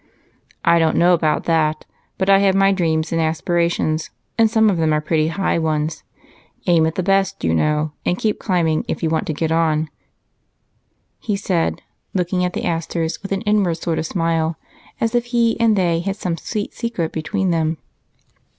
"I don't know about that, but I have my dreams and aspirations, and some of them are pretty high ones. Aim at the best, you know, and keep climbing if you want to get on," he said, looking at the asters with an inward sort of smile, as if he and they had some sweet secret between them.